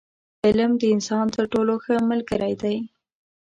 • علم، د انسان تر ټولو ښه ملګری دی.